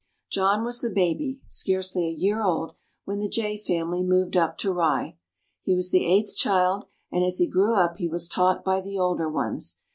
John was the baby, scarcely a year old, when the Jay family moved up to Rye. He was the eighth child, and as he grew up he was taught by the older ones.